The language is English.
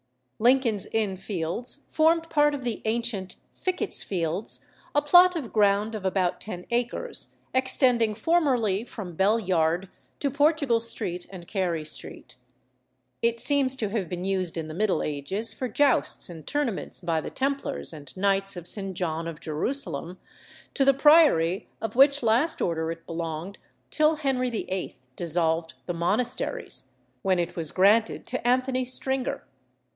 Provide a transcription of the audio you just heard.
Lincoln's Inn Fields formed part of the ancient Fickett's Fields, a plot of ground of about ten acres, extending formerly from Bell Yard to Portugal Street and Carey Street. It seems to have been used in the Middle Ages for jousts and tournaments by the Templars and Knights of St. John of Jerusalem, to the priory of which last order it belonged till Henry VIII. dissolved the monasteries, when it was granted to Anthony Stringer.